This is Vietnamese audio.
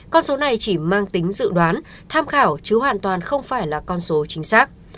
con số này chỉ mang tính dự đoán tham khảo chứ hoàn toàn không phải là con số chính xác